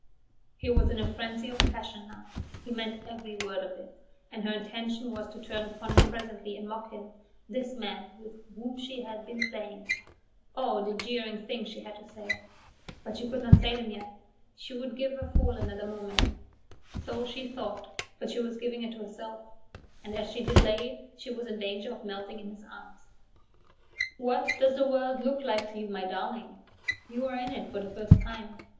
He was in a frenzy of passion now; he meant every word of it; and her intention was to turn upon him presently and mock him, this man with whom she had been playing. Oh, the jeering things she had to say! But she could not say them yet; she would give her fool another moment so she thought, but she was giving it to herself; and as she delayed she was in danger of melting in his arms. "What does the world look like to you, my darling? You are in it for the first time.